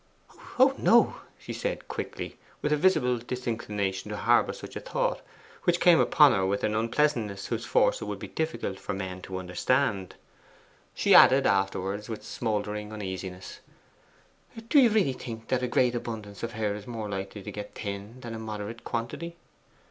'Oh no!' she said quickly, with a visible disinclination to harbour such a thought, which came upon her with an unpleasantness whose force it would be difficult for men to understand. She added afterwards, with smouldering uneasiness, 'Do you really think that a great abundance of hair is more likely to get thin than a moderate quantity?